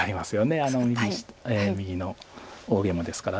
あの右の大ゲイマですから。